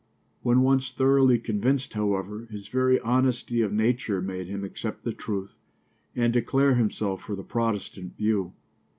When once thoroughly convinced, however, his very honesty of nature made him accept the truth and declare himself for the Protestant view.